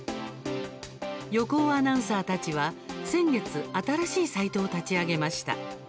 横尾アナウンサーたちは先月、新しいサイトを立ち上げました。